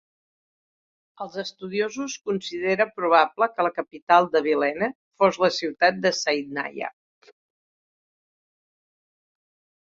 Els estudiosos considere probable que la capital d'Abilene fos la ciutat de Saidnaya.